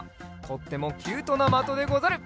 とってもキュートなまとでござる。